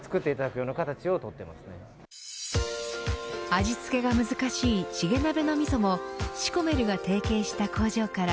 味付けが難しいチゲ鍋のみそもシコメルが提携した工場から